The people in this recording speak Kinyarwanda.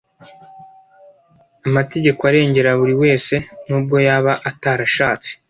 amategeko arengera buri wese nubwo yaba atarashatse,